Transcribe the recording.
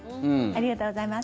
ありがとうございます。